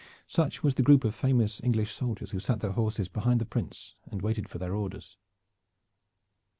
Such was the group of famous English soldiers who sat their horses behind the Prince and waited for their orders.